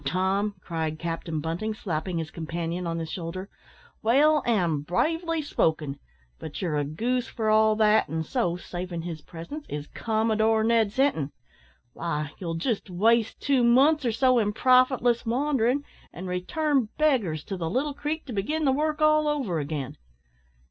Tom," cried Captain Bunting, slapping his companion on the shoulder "well and bravely spoken; but you're a goose for all that, and so, saving his presence, is Commodore Ned Sinton. Why, you'll just waste two months or so in profitless wandering, and return beggars to the Little Creek to begin the work all over again.